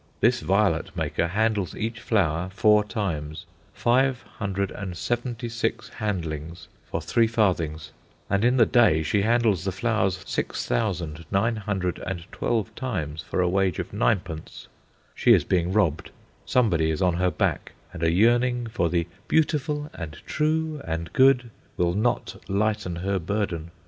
This violet maker handles each flower four times, 576 handlings for three farthings, and in the day she handles the flowers 6912 times for a wage of ninepence. She is being robbed. Somebody is on her back, and a yearning for the Beautiful and True and Good will not lighten her burden.